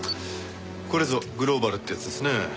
これぞグローバルってやつですね。